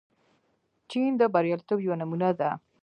چین د بریالیتوب یوه نمونه ده.